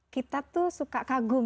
kita tuh suka kagum